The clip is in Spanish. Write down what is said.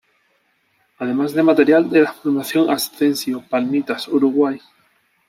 Además de material de la Formación Ascencio, Palmitas, Uruguay.